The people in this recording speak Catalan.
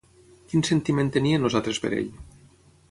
Quin sentiment tenien els altres per ell?